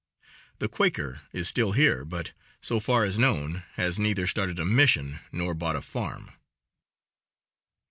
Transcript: The Quaker is still here, but, so far as known, has neither started a mission nor bought a farm.